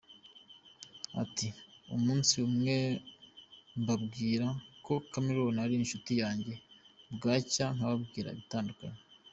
Ati “Umunsi umwe mbabwira ko Chameleone ari inshuti yanjye, bwacya nkababwira ibitandukanye.